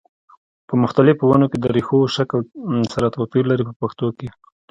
په مختلفو ونو کې د ریښو شکل سره توپیر لري په پښتو کې.